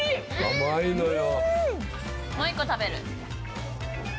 甘いのよ。